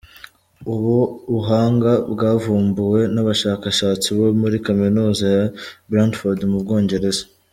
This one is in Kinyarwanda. Ubu buhanga bwavumbuwe n’abashakashatsi bo muri Kaminuza ya Bradford mu Bwongereza.